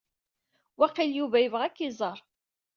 Waqila Yuba ibɣa ad ak-iẓer.